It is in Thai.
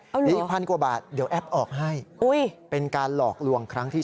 อ๋อเหรอนี่๑๐๐๐กว่าบาทเดี๋ยวแอปออกให้เป็นการหลอกลวงครั้งที่๒